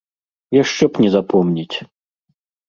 Яшчэ б не запомніць!